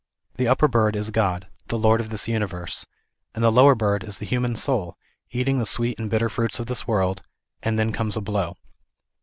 The upper bird is Godr the Lord of this universe, and the lower bird is the human soul, eating the sweet and bitter fruits of this world, and then comes a blow.